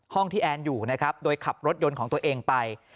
ห้องที่แอนอยู่นะครับโดยขับรถยนต์ของตัวเองไป